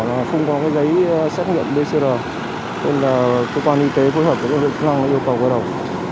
nên là cơ quan y tế phối hợp với các lực lượng chức năng yêu cầu quay đầu